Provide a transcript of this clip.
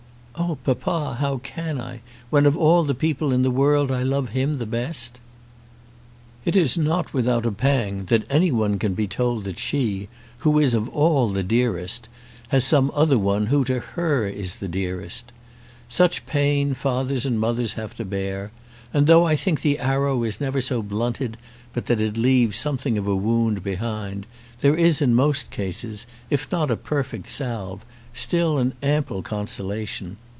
"Oh papa, how can I, when of all the people in the world I love him the best?" It is not without a pang that any one can be told that she who is of all the dearest has some other one who to her is the dearest. Such pain fathers and mothers have to bear; and though, I think, the arrow is never so blunted but that it leaves something of a wound behind, there is in most cases, if not a perfect salve, still an ample consolation.